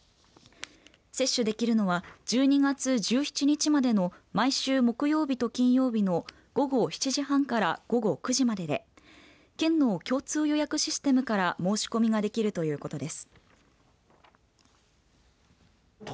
接種できるのは１２月１７日までの毎週木曜日と金曜日の午後７時半から午後９時までで県の共通予約システムから申し込みができるということです。